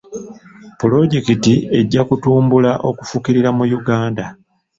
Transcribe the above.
Pulojekiti ejja kutumbula okufukirira mu Uganda.